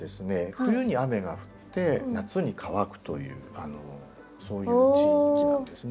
冬に雨が降って夏に乾くというそういう地域なんですね。